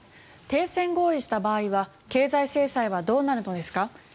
停戦合意した場合は経済制裁はどうなるのですか？